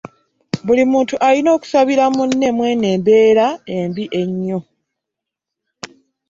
Buli muntu alina okusabira mune mweno embeera embi ennyo.